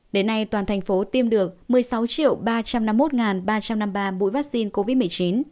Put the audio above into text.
đến nay toàn thành phố tiêm được một mươi sáu ba trăm năm mươi một ba trăm năm mươi ba mũi vaccine covid một mươi chín